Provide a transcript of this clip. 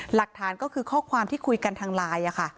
หลักฐานก็คือข้อความที่คุยกันทางไลน์ค่ะ